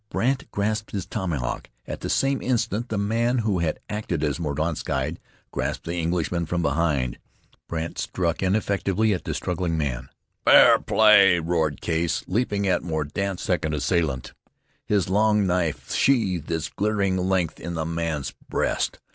Brandt grasped his tomahawk. At the same instant the man who had acted as Mordaunt's guide grasped the Englishman from behind. Brandt struck ineffectually at the struggling man. "Fair play!" roared Case, leaping at Mordaunt's second assailant. His long knife sheathed its glittering length in the man's breast.